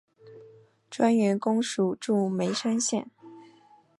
专员公署驻眉山县。